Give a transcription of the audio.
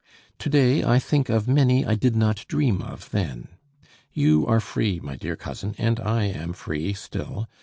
To day, I think of many I did not dream of then. You are free, my dear cousin, and I am free still.